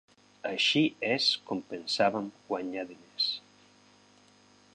Així és com pensàvem guanyar diners.